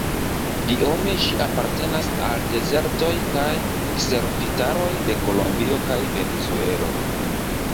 Biome ĝi apartenas al dezertoj kaj kserofitaroj de Kolombio kaj Venezuelo.